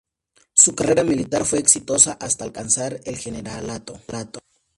Su carrera militar fue exitosa, hasta alcanzar el generalato.